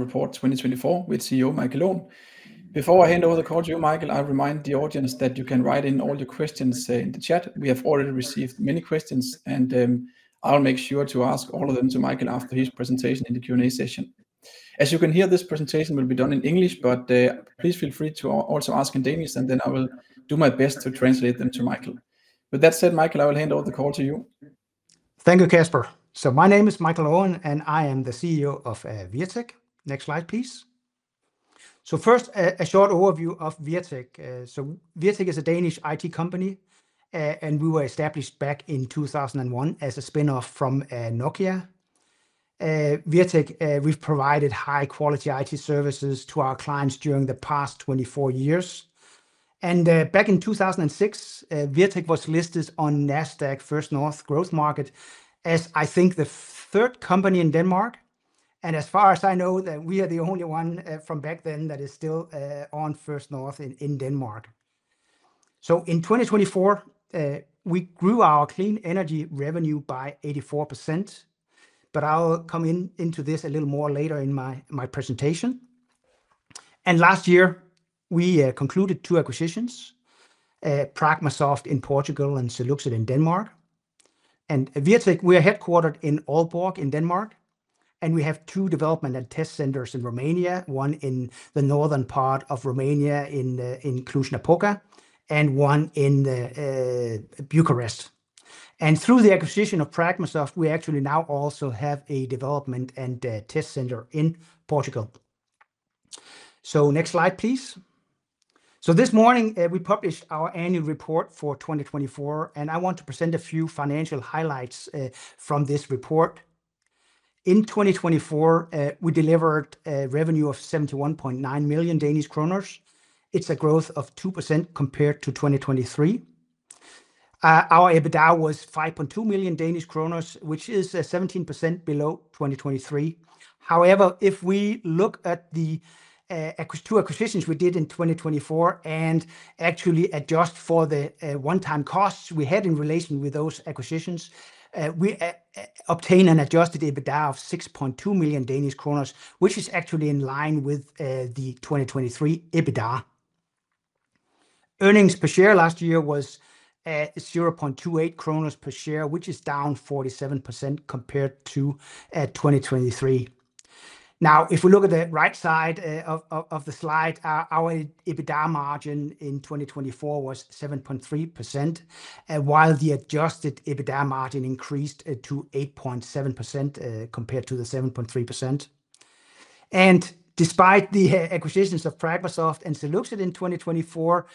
Report 2024 with CEO Michael Aaen. Before I hand over the call to you, Michael, I remind the audience that you can write in all your questions in the chat. We have already received many questions, and I'll make sure to ask all of them to Michael after his presentation in the Q&A session. As you can hear, this presentation will be done in English, but please feel free to also ask in Danish, and then I will do my best to translate them to Michael. With that said, Michael, I will hand over the call to you. Thank you, Kasper. My name is Michael Aaen, and I am the CEO of Wirtek. Next slide, please. First, a short overview of Wirtek. Wirtek is a Danish IT company, and we were established back in 2001 as a spinoff from Nokia. Wirtek, we've provided high-quality IT services to our clients during the past 24 years. Back in 2006, Wirtek was listed on NASDAQ First North Growth Market as, I think, the third company in Denmark. As far as I know, we are the only one from back then that is still on First North in Denmark. In 2024, we grew our clean energy revenue by 84%, but I'll come into this a little more later in my presentation. Last year, we concluded two acquisitions: Pragmasoft in Portugal and Seluxit in Denmark. Wirtek, we are headquartered in Aalborg in Denmark, and we have two development and test centers in Romania, one in the northern part of Romania in Cluj-Napoca and one in Bucharest. Through the acquisition of Pragmasoft, we actually now also have a development and test center in Portugal. Next slide, please. This morning, we published our annual report for 2024, and I want to present a few financial highlights from this report. In 2024, we delivered a revenue of 71.9 million Danish kroner. It is a growth of 2% compared to 2023. Our EBITDA was 5.2 million Danish kroner, which is 17% below 2023. However, if we look at the two acquisitions we did in 2024 and actually adjust for the one-time costs we had in relation with those acquisitions, we obtained an adjusted EBITDA of 6.2 million Danish kroner, which is actually in line with the 2023 EBITDA. Earnings per share last year was 0.28 per share, which is down 47% compared to 2023. If we look at the right side of the slide, our EBITDA margin in 2024 was 7.3%, while the adjusted EBITDA margin increased to 8.7% compared to the 7.3%. Despite the acquisitions of Pragmasoft and Seluxit in 2024,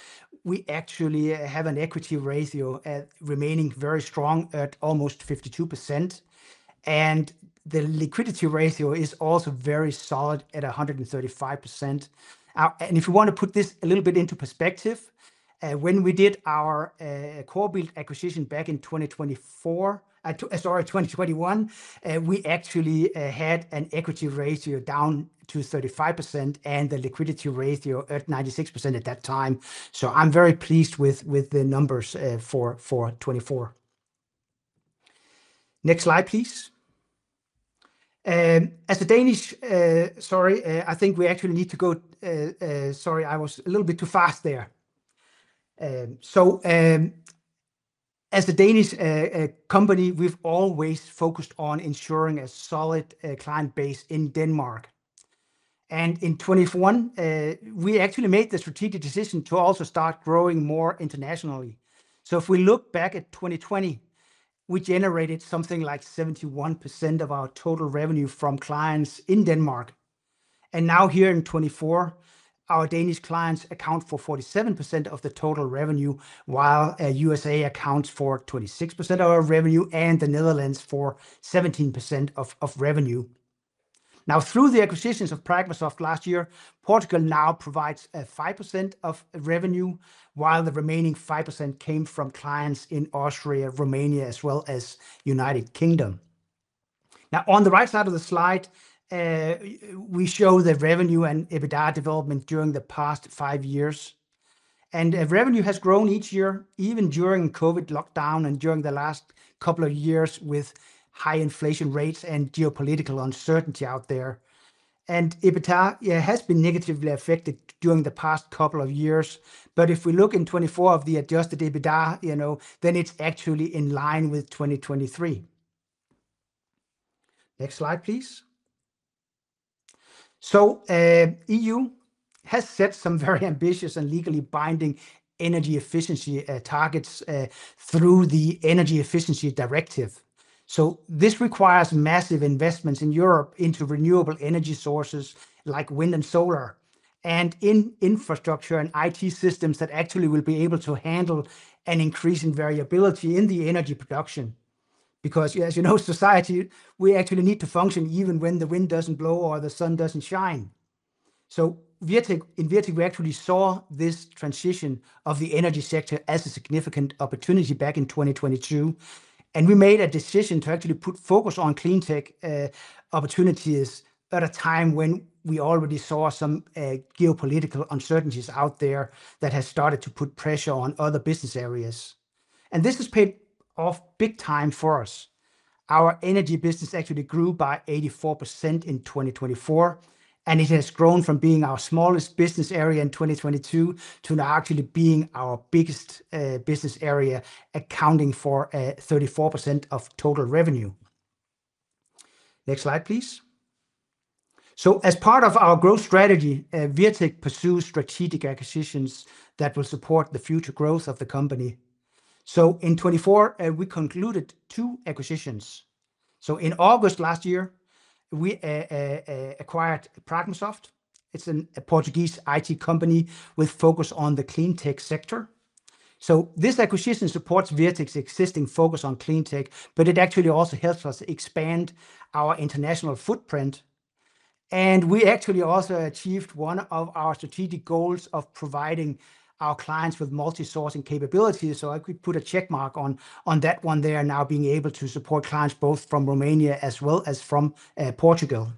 we actually have an equity ratio remaining very strong at almost 52%, and the liquidity ratio is also very solid at 135%. If you want to put this a little bit into perspective, when we did our CoreBuild acquisition back in 2024, sorry, 2021, we actually had an equity ratio down to 35% and the liquidity ratio at 96% at that time. I am very pleased with the numbers for 2024. Next slide, please. As a Danish, sorry, I think we actually need to go, sorry, I was a little bit too fast there. As a Danish company, we have always focused on ensuring a solid client base in Denmark. In 2021, we actually made the strategic decision to also start growing more internationally. If we look back at 2020, we generated something like 71% of our total revenue from clients in Denmark. Here in 2024, our Danish clients account for 47% of the total revenue, while the U.S.A. accounts for 26% of our revenue and the Netherlands for 17% of revenue. Through the acquisitions of Pragmasoft last year, Portugal now provides 5% of revenue, while the remaining 5% came from clients in Austria, Romania, as well as the United Kingdom. On the right side of the slide, we show the revenue and EBITDA development during the past five years. Revenue has grown each year, even during COVID lockdown and during the last couple of years with high inflation rates and geopolitical uncertainty out there. EBITDA has been negatively affected during the past couple of years, but if we look in 2024 at the adjusted EBITDA, you know, then it is actually in line with 2023. Next slide, please. The EU has set some very ambitious and legally binding energy efficiency targets through the Energy Efficiency Directive. This requires massive investments in Europe into renewable energy sources like wind and solar and in infrastructure and IT systems that actually will be able to handle an increase in variability in the energy production. Because, as you know, society, we actually need to function even when the wind does not blow or the sun does not shine. In Wirtek, we actually saw this transition of the energy sector as a significant opportunity back in 2022. We made a decision to actually put focus on clean tech opportunities at a time when we already saw some geopolitical uncertainties out there that have started to put pressure on other business areas. This has paid off big time for us. Our energy business actually grew by 84% in 2024, and it has grown from being our smallest business area in 2022 to now actually being our biggest business area, accounting for 34% of total revenue. Next slide, please. As part of our growth strategy, Wirtek pursues strategic acquisitions that will support the future growth of the company. In 2024, we concluded two acquisitions. In August last year, we acquired Pragmasoft. It's a Portuguese IT company with a focus on the clean tech sector. This acquisition supports Wirtek's existing focus on clean tech, but it actually also helps us expand our international footprint. We actually also achieved one of our strategic goals of providing our clients with multi-sourcing capabilities. I could put a check mark on that one there, now being able to support clients both from Romania as well as from Portugal.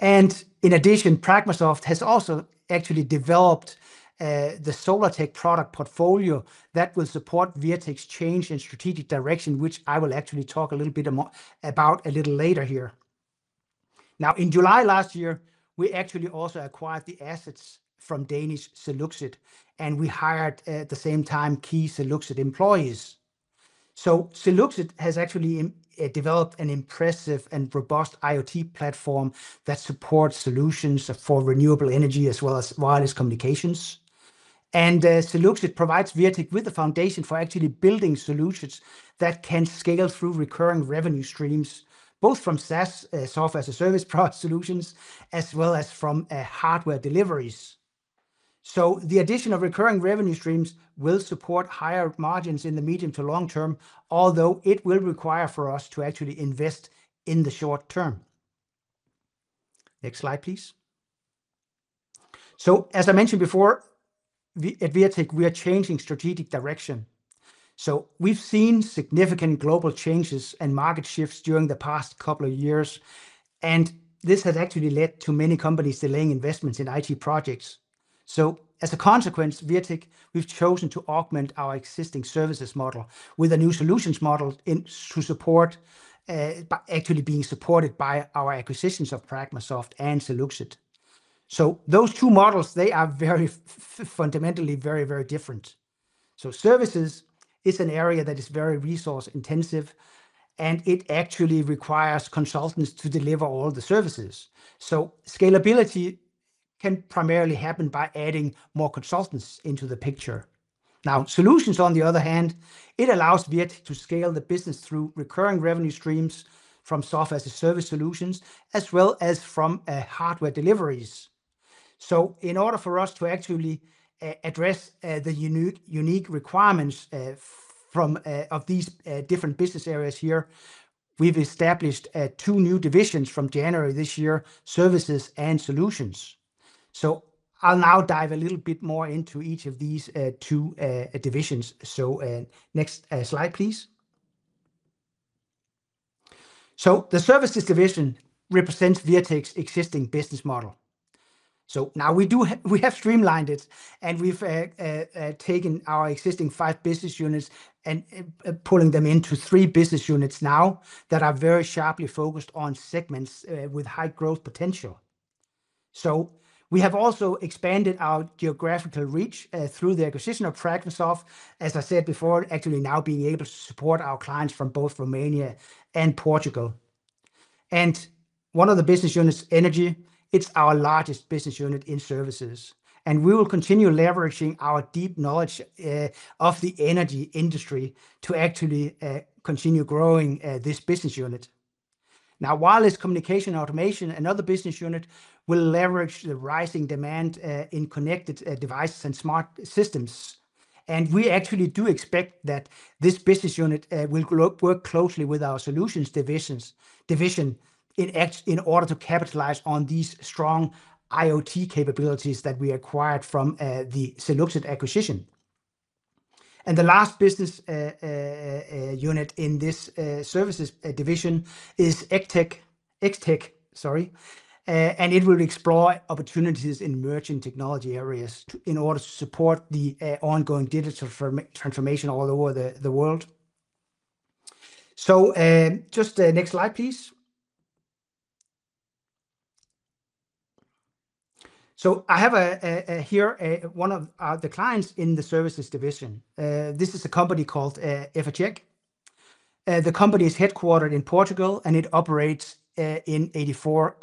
In addition, Pragmasoft has also actually developed the SolarTech product portfolio that will support Wirtek's change in strategic direction, which I will actually talk a little bit about a little later here. Now, in July last year, we actually also acquired the assets from Danish Seluxit, and we hired at the same time key Seluxit employees. Seluxit has actually developed an impressive and robust IoT platform that supports solutions for renewable energy as well as wireless communications. Seluxit provides Wirtek with the foundation for actually building solutions that can scale through recurring revenue streams, both from SaaS, software as a service product solutions, as well as from hardware deliveries. The addition of recurring revenue streams will support higher margins in the medium to long term, although it will require for us to actually invest in the short term. Next slide, please. As I mentioned before, at Wirtek, we are changing strategic direction. We have seen significant global changes and market shifts during the past couple of years, and this has actually led to many companies delaying investments in IT projects. As a consequence, Wirtek has chosen to augment our existing services model with a new solutions model, actually being supported by our acquisitions of Pragmasoft and Seluxit. Those two models are fundamentally very, very different. Services is an area that is very resource-intensive, and it actually requires consultants to deliver all the services. Scalability can primarily happen by adding more consultants into the picture. Solutions, on the other hand, allows Wirtek to scale the business through recurring revenue streams from software as a service solutions as well as from hardware deliveries. In order for us to actually address the unique requirements of these different business areas here, we've established two new divisions from January this year, services and solutions. I'll now dive a little bit more into each of these two divisions. Next slide, please. The services division represents Wirtek's existing business model. Now we have streamlined it, and we've taken our existing five business units and pulling them into three business units now that are very sharply focused on segments with high growth potential. We have also expanded our geographical reach through the acquisition of Pragmasoft, as I said before, actually now being able to support our clients from both Romania and Portugal. One of the business units, energy, is our largest business unit in services. We will continue leveraging our deep knowledge of the energy industry to actually continue growing this business unit. Wireless communication automation, another business unit, will leverage the rising demand in connected devices and smart systems. We actually do expect that this business unit will work closely with our solutions division in order to capitalize on these strong IoT capabilities that we acquired from the Seluxit acquisition. The last business unit in this services division is X-Tech, sorry, and it will explore opportunities in emerging technology areas in order to support the ongoing digital transformation all over the world. Just the next slide, please. I have here one of the clients in the services division. This is a company called Efacec. The company is headquartered in Portugal, and it operates in 84,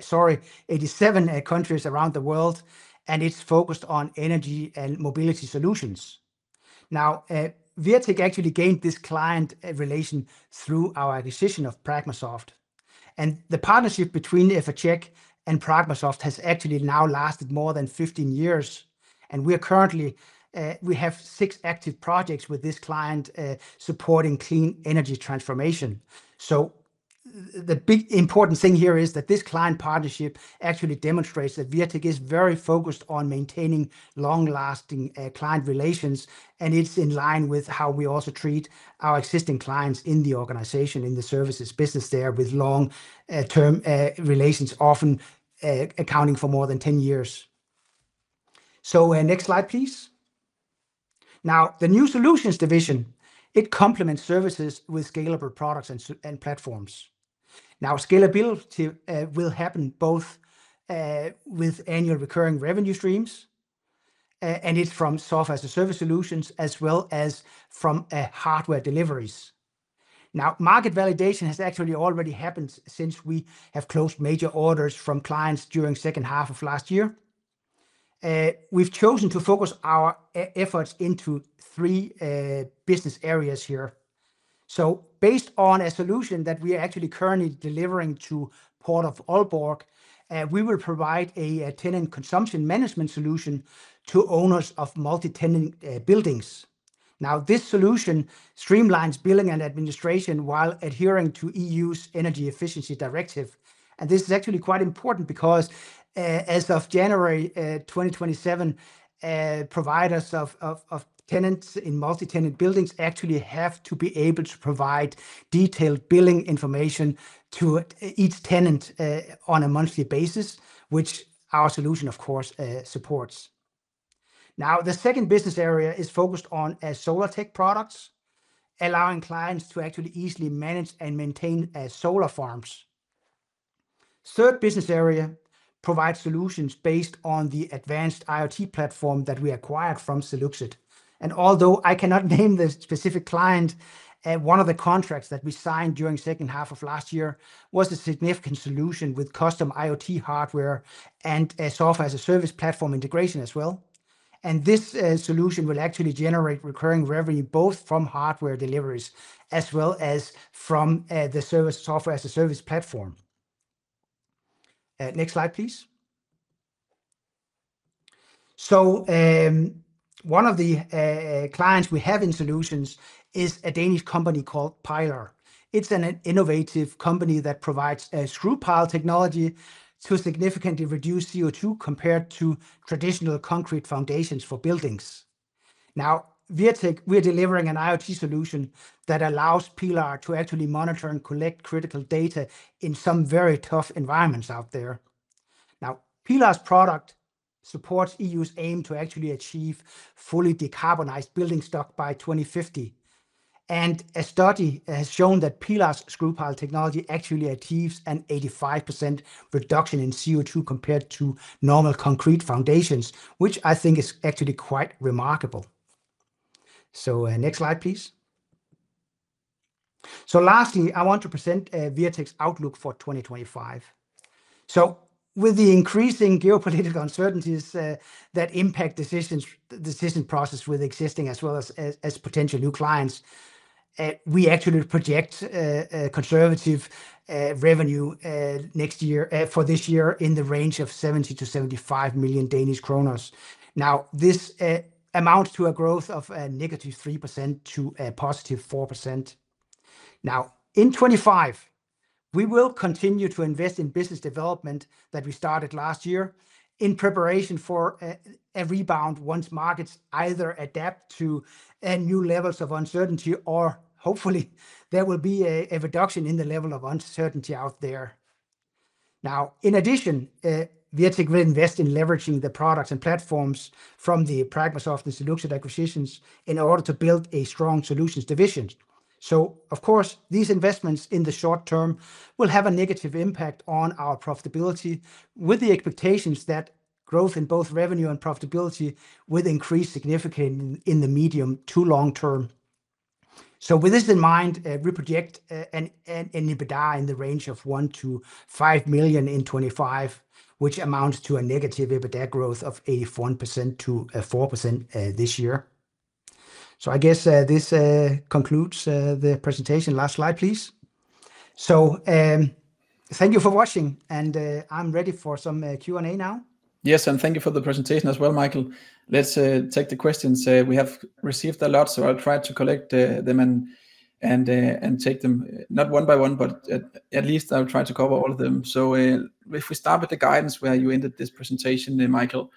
sorry, 87 countries around the world, and it's focused on energy and mobility solutions. Now, Wirtek actually gained this client relation through our acquisition of Pragmasoft. And the partnership between Efacec and Pragmasoft has actually now lasted more than 15 years. And we have six active projects with this client supporting clean energy transformation. The big important thing here is that this client partnership actually demonstrates that Wirtek is very focused on maintaining long-lasting client relations, and it's in line with how we also treat our existing clients in the organization, in the services business there with long-term relations, often accounting for more than 10 years. Next slide, please. Now, the new solutions division, it complements services with scalable products and platforms. Now, scalability will happen both with annual recurring revenue streams and from software as a service solutions as well as from hardware deliveries. Now, market validation has actually already happened since we have closed major orders from clients during the second half of last year. We have chosen to focus our efforts into three business areas here. Based on a solution that we are actually currently delivering to Port of Aalborg, we will provide a tenant consumption management solution to owners of multi-tenant buildings. This solution streamlines billing and administration while adhering to the EU's energy efficiency directive. This is actually quite important because as of January 2027, providers of tenants in multi-tenant buildings actually have to be able to provide detailed billing information to each tenant on a monthly basis, which our solution, of course, supports. Now, the second business area is focused on solar tech products, allowing clients to actually easily manage and maintain solar farms. The third business area provides solutions based on the advanced IoT platform that we acquired from Seluxit. Although I cannot name the specific client, one of the contracts that we signed during the second half of last year was a significant solution with custom IoT hardware and a software as a service platform integration as well. This solution will actually generate recurring revenue both from hardware deliveries as well as from the software as a service platform. Next slide, please. One of the clients we have in solutions is a Danish company called Pilar. It is an innovative company that provides screw pile technology to significantly reduce CO2 compared to traditional concrete foundations for buildings. Now, Wirtek, we're delivering an IoT solution that allows Pilar to actually monitor and collect critical data in some very tough environments out there. Now, Pilar's product supports the EU's aim to actually achieve fully decarbonized building stock by 2050. A study has shown that Pilar's screw pile technology actually achieves an 85% reduction in CO2 compared to normal concrete foundations, which I think is actually quite remarkable. Next slide, please. Lastly, I want to present Wirtek's outlook for 2025. With the increasing geopolitical uncertainties that impact decision process with existing as well as potential new clients, we actually project conservative revenue next year for this year in the range of 70 million-75 million Danish kroner. This amounts to a growth of a negative 3% to a positive 4%. Now, in 2025, we will continue to invest in business development that we started last year in preparation for a rebound once markets either adapt to new levels of uncertainty or hopefully there will be a reduction in the level of uncertainty out there. Now, in addition, Wirtek will invest in leveraging the products and platforms from the Pragmasoft and Seluxit acquisitions in order to build a strong solutions division. Of course, these investments in the short term will have a negative impact on our profitability with the expectations that growth in both revenue and profitability will increase significantly in the medium to long term. With this in mind, we project an EBITDA in the range of 1 million-5 million in 2025, which amounts to a negative EBITDA growth of 81%-4% this year. I guess this concludes the presentation. Last slide, please. Thank you for watching, and I'm ready for some Q&A now. Yes, and thank you for the presentation as well, Michael. Let's take the questions. We have received a lot, so I'll try to collect them and take them not one by one, but at least I'll try to cover all of them. If we start with the guidance where you ended this presentation, Michael,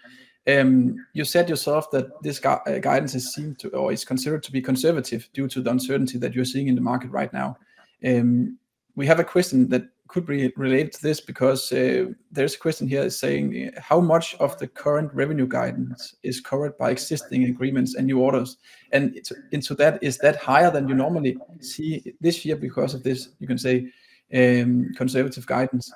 you said yourself that this guidance is considered to be conservative due to the uncertainty that you're seeing in the market right now. We have a question that could be related to this because there's a question here saying how much of the current revenue guidance is covered by existing agreements and new orders? Is that higher than you normally see this year because of this, you can say, conservative guidance?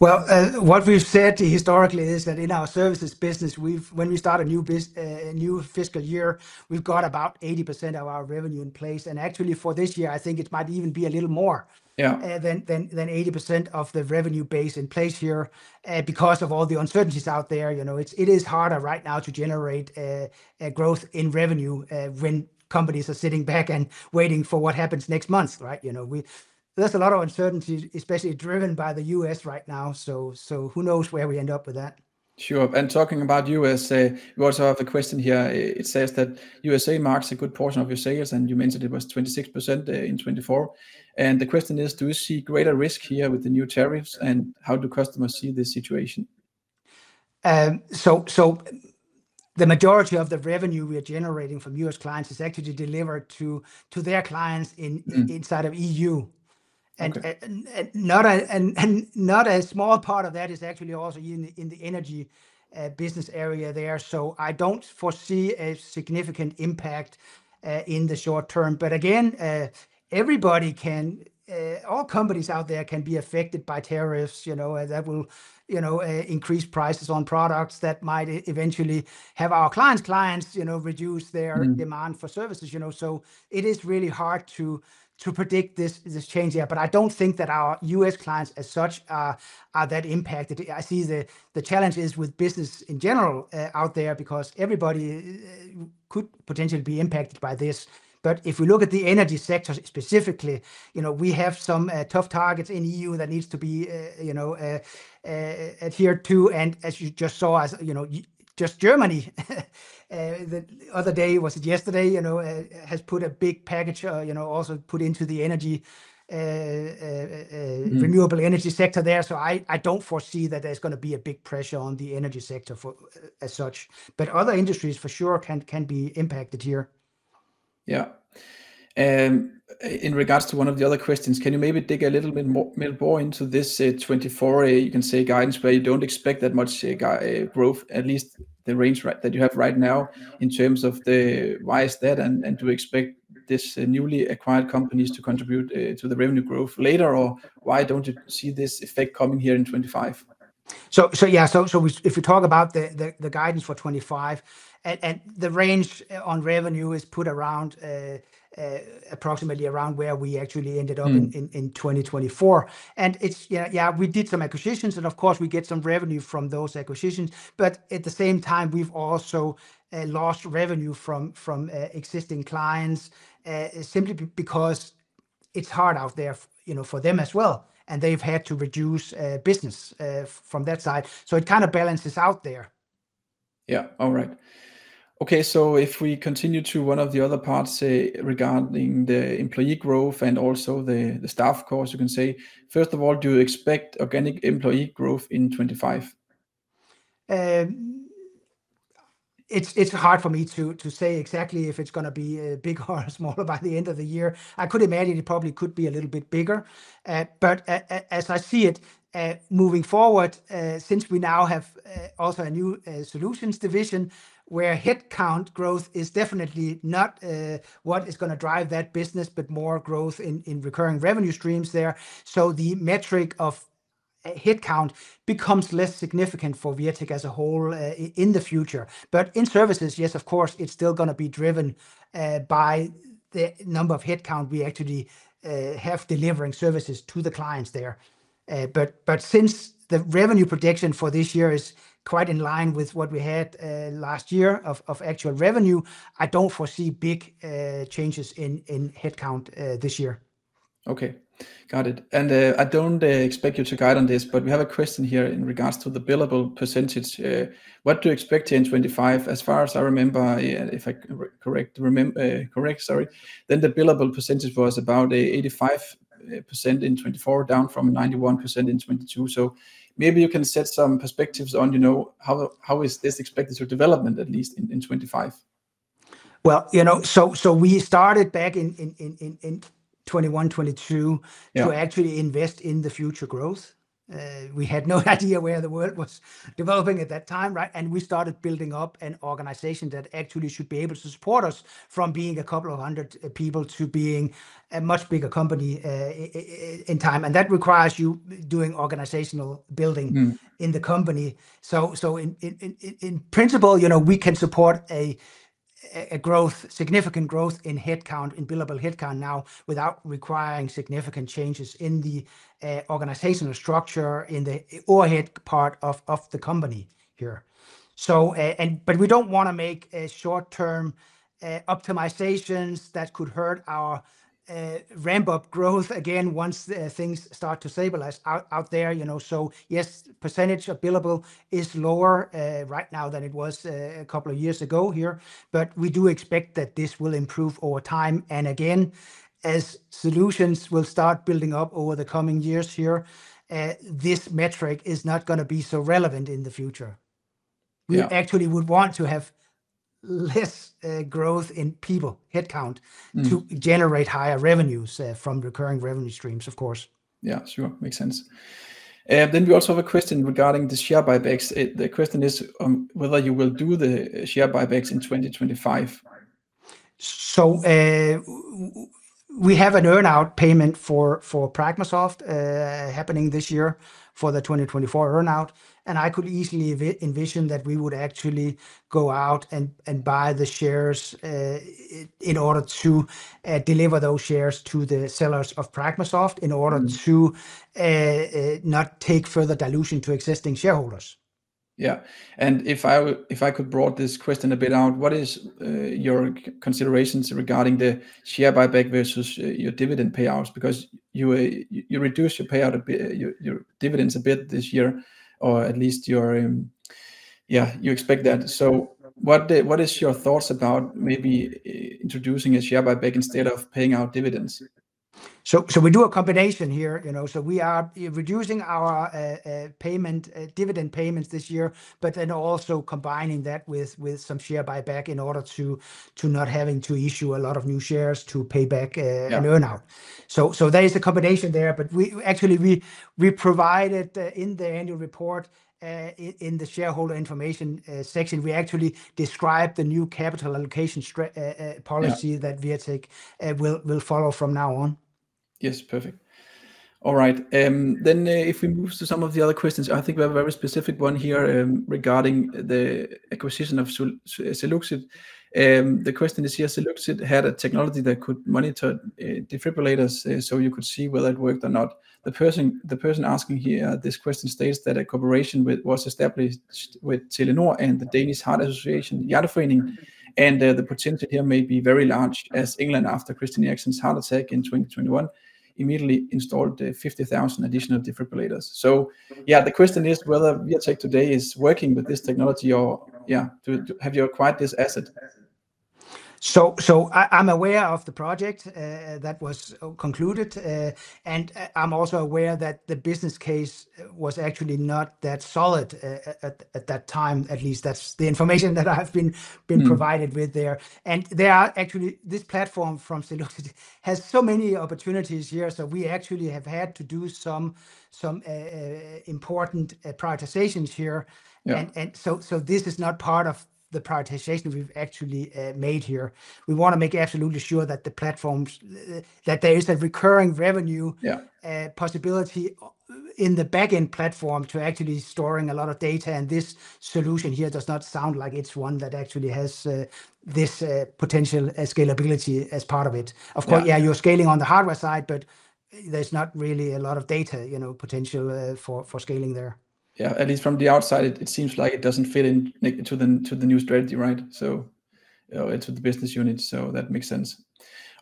What we've said historically is that in our services business, when we start a new fiscal year, we've got about 80% of our revenue in place. Actually, for this year, I think it might even be a little more than 80% of the revenue base in place here because of all the uncertainties out there. It is harder right now to generate growth in revenue when companies are sitting back and waiting for what happens next month, right? There's a lot of uncertainty, especially driven by the US right now. Who knows where we end up with that? Sure. Talking about US, we also have a question here. It says that U.S.A. marks a good portion of your sales, and you mentioned it was 26% in 2024. The question is, do you see greater risk here with the new tariffs, and how do customers see this situation? The majority of the revenue we are generating from US clients is actually delivered to their clients inside of the EU. Not a small part of that is actually also in the energy business area there. I do not foresee a significant impact in the short term. Again, all companies out there can be affected by tariffs that will increase prices on products that might eventually have our clients' clients reduce their demand for services. It is really hard to predict this change here. I do not think that our U.S. clients as such are that impacted. I see the challenges with business in general out there because everybody could potentially be impacted by this. If we look at the energy sector specifically, we have some tough targets in the EU that need to be adhered to. As you just saw, just Germany the other day, was it yesterday, has put a big package, also put into the renewable energy sector there. I do not foresee that there is going to be a big pressure on the energy sector as such. Other industries for sure can be impacted here. Yeah. In regards to one of the other questions, can you maybe dig a little bit more into this 2024, you can say, guidance where you do not expect that much growth, at least the range that you have right now in terms of why is that and to expect these newly acquired companies to contribute to the revenue growth later? Or why do you not see this effect coming here in 2025? Yes, if we talk about the guidance for 2025, the range on revenue is put around approximately around where we actually ended up in 2024. Yeah, we did some acquisitions, and of course, we get some revenue from those acquisitions. At the same time, we've also lost revenue from existing clients simply because it's hard out there for them as well. They've had to reduce business from that side. It kind of balances out there. All right. Okay. If we continue to one of the other parts regarding the employee growth and also the staff cost, you can say, first of all, do you expect organic employee growth in 2025? It's hard for me to say exactly if it's going to be bigger or smaller by the end of the year. I could imagine it probably could be a little bit bigger. As I see it moving forward, since we now have also a new solutions division where headcount growth is definitely not what is going to drive that business, but more growth in recurring revenue streams there. The metric of headcount becomes less significant for Wirtek as a whole in the future. In services, yes, of course, it is still going to be driven by the number of headcount we actually have delivering services to the clients there. Since the revenue prediction for this year is quite in line with what we had last year of actual revenue, I do not foresee big changes in headcount this year. Okay. Got it. I do not expect you to guide on this, but we have a question here in regards to the billable percentage. What do you expect in 2025? As far as I remember, if I correct, sorry, then the billable percentage was about 85% in 2024, down from 91% in 2022. Maybe you can set some perspectives on how is this expected to development at least in 2025? We started back in 2021, 2022 to actually invest in the future growth. We had no idea where the world was developing at that time, right? We started building up an organization that actually should be able to support us from being a couple of hundred people to being a much bigger company in time. That requires you doing organizational building in the company. In principle, we can support a significant growth in billable headcount now without requiring significant changes in the organizational structure in the overhead part of the company here. We do not want to make short-term optimizations that could hurt our ramp-up growth again once things start to stabilize out there. Yes, percentage of billable is lower right now than it was a couple of years ago here. We do expect that this will improve over time. Again, as solutions will start building up over the coming years here, this metric is not going to be so relevant in the future. We actually would want to have less growth in people, headcount, to generate higher revenues from recurring revenue streams, of course. Yeah, sure. Makes sense. We also have a question regarding the share buybacks. The question is whether you will do the share buybacks in 2025. We have an earnout payment for Pragmasoft happening this year for the 2024 earnout. I could easily envision that we would actually go out and buy the shares in order to deliver those shares to the sellers of Pragmasoft in order to not take further dilution to existing shareholders. Yeah. If I could broaden this question a bit out, what is your considerations regarding the share buyback versus your dividend payouts? Because you reduce your dividends a bit this year, or at least you expect that. What is your thoughts about maybe introducing a share buyback instead of paying out dividends? We do a combination here. We are reducing our dividend payments this year, but then also combining that with some share buyback in order to not have to issue a lot of new shares to pay back an earnout. There is a combination there. Actually, we provided in the annual report in the shareholder information section, we actually describe the new capital allocation policy that Wirtek will follow from now on. Yes, perfect. All right. If we move to some of the other questions, I think we have a very specific one here regarding the acquisition of Seluxit. The question is here, Seluxit had a technology that could monitor defibrillators, so you could see whether it worked or not. The person asking here this question states that a corporation was established with Telenor and the Danish Heart Association, Hjerteforeningen, and the potential here may be very large as England after Christian Eriksen's heart attack in 2021 immediately installed 50,000 additional defibrillators. Yeah, the question is whether Wirtek today is working with this technology or have you acquired this asset? I'm aware of the project that was concluded. I'm also aware that the business case was actually not that solid at that time, at least that's the information that I've been provided with there. Actually, this platform from Seluxit has so many opportunities here. We actually have had to do some important prioritizations here. This is not part of the prioritization we've actually made here. We want to make absolutely sure that there is a recurring revenue possibility in the backend platform to actually storing a lot of data. This solution here does not sound like it's one that actually has this potential scalability as part of it. Of course, you're scaling on the hardware side, but there's not really a lot of data potential for scaling there. At least from the outside, it seems like it doesn't fit into the new strategy, right? It is with the business unit, so that makes sense.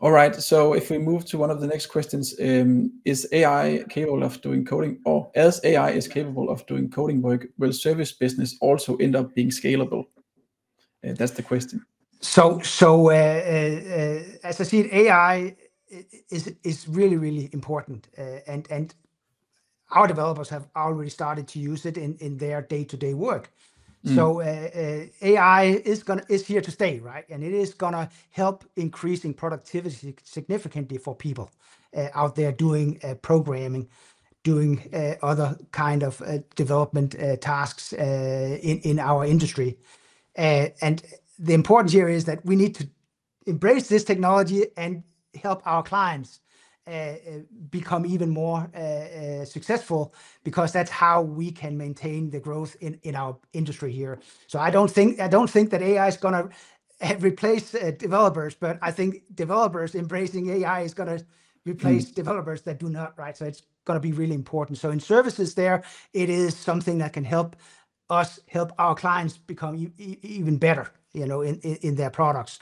All right. If we move to one of the next questions, is AI capable of doing coding? Or as AI is capable of doing coding work, will service business also end up being scalable? That is the question. As I see it, AI is really, really important. Our developers have already started to use it in their day-to-day work. AI is here to stay, right? It is going to help increasing productivity significantly for people out there doing programming, doing other kinds of development tasks in our industry. The importance here is that we need to embrace this technology and help our clients become even more successful because that is how we can maintain the growth in our industry here. I do not think that AI is going to replace developers, but I think developers embracing AI are going to replace developers that do not, right? It is going to be really important. In services, it is something that can help us help our clients become even better in their products.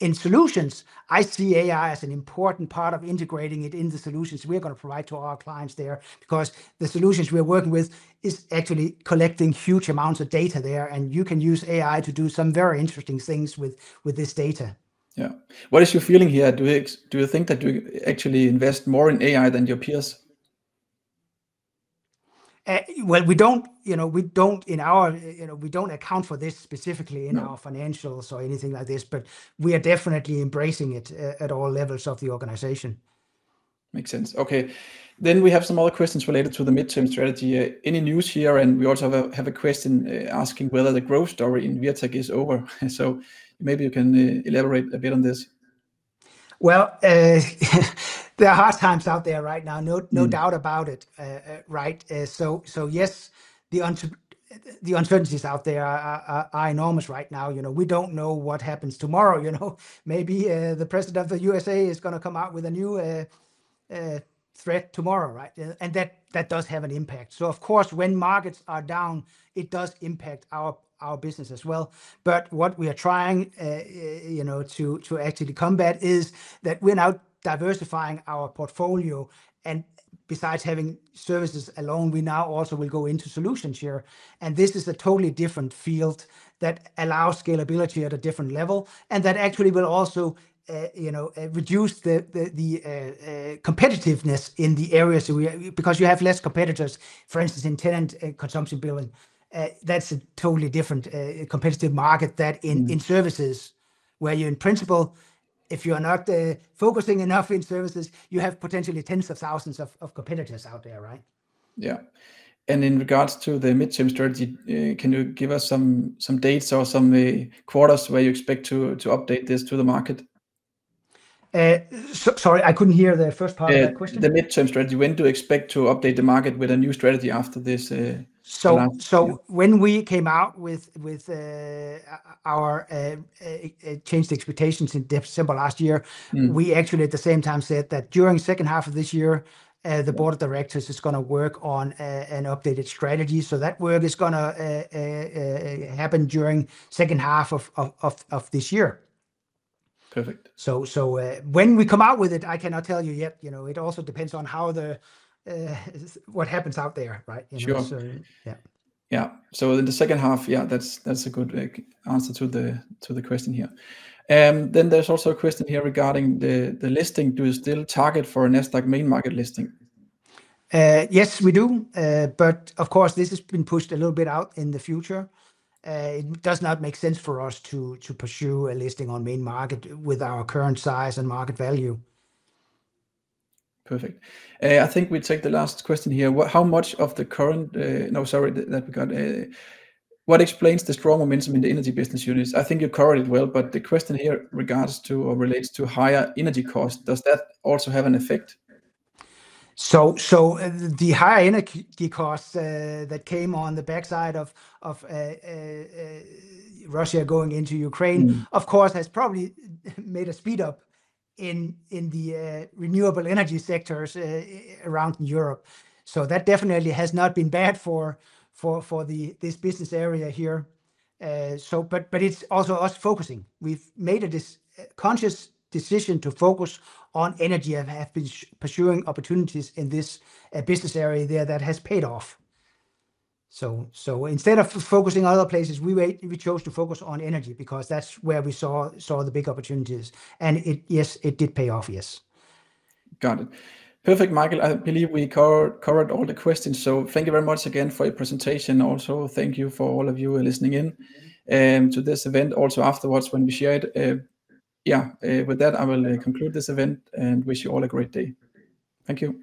In solutions, I see AI as an important part of integrating it in the solutions we are going to provide to our clients there because the solutions we are working with are actually collecting huge amounts of data there. You can use AI to do some very interesting things with this data. Yeah. What is your feeling here? Do you think that you actually invest more in AI than your peers? We do not account for this specifically in our financials or anything like this, but we are definitely embracing it at all levels of the organization. Makes sense. Okay. We have some other questions related to the midterm strategy. Any news here? We also have a question asking whether the growth story in Wirtek is over. Maybe you can elaborate a bit on this. There are hard times out there right now, no doubt about it, right? Yes, the uncertainties out there are enormous right now. We do not know what happens tomorrow. Maybe the president of the U.S.A. is going to come out with a new threat tomorrow, right? That does have an impact. Of course, when markets are down, it does impact our business as well. What we are trying to actually combat is that we're now diversifying our portfolio. Besides having services alone, we now also will go into solutions here. This is a totally different field that allows scalability at a different level. That actually will also reduce the competitiveness in the areas because you have less competitors, for instance, in tenant consumption building. That's a totally different competitive market than in services, where you, in principle, if you are not focusing enough in services, you have potentially tens of thousands of competitors out there, right? Yeah. In regards to the midterm strategy, can you give us some dates or some quarters where you expect to update this to the market? Sorry, I couldn't hear the first part of that question. The midterm strategy, when do you expect to update the market with a new strategy after this? When we came out with our changed expectations in December last year, we actually at the same time said that during the second half of this year, the board of directors is going to work on an updated strategy. That work is going to happen during the second half of this year. Perfect. When we come out with it, I cannot tell you yet. It also depends on what happens out there, right? Sure. Yeah. Yeah. In the second half, yeah, that's a good answer to the question here. There is also a question here regarding the listing. Do you still target for a NASDAQ main market listing? Yes, we do. Of course, this has been pushed a little bit out in the future. It does not make sense for us to pursue a listing on main market with our current size and market value. Perfect. I think we take the last question here. How much of the current, no, sorry, that we got, what explains the strong momentum in the energy business units? I think you covered it well, but the question here regards to or relates to higher energy costs. Does that also have an effect? The higher energy costs that came on the backside of Russia going into Ukraine, of course, has probably made a speed up in the renewable energy sectors around Europe. That definitely has not been bad for this business area here. It is also us focusing. We have made this conscious decision to focus on energy and have been pursuing opportunities in this business area there that has paid off. Instead of focusing on other places, we chose to focus on energy because that is where we saw the big opportunities. Yes, it did pay off, yes. Got it. Perfect, Michael. I believe we covered all the questions. Thank you very much again for your presentation. Also, thank you for all of you listening in to this event. Also afterwards, when we share it. With that, I will conclude this event and wish you all a great day. Thank you.